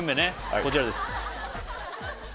こちらです